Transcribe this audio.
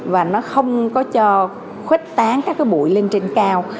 và nó không có cho khuếch tán các cái bụi lên trên cao